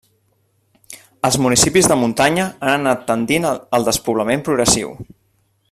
Els municipis de muntanya han anat tendint el despoblament progressiu.